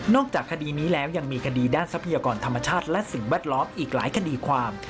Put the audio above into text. จากคดีนี้แล้วยังมีคดีด้านทรัพยากรธรรมชาติและสิ่งแวดล้อมอีกหลายคดีความ